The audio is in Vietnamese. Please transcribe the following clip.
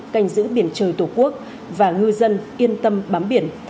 canh giữ biển trời tổ quốc và ngư dân yên tâm bám biển